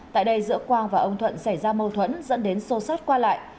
tại đây giữa quang và ông thuận xảy ra mâu thuẫn dẫn đến sô sát qua lại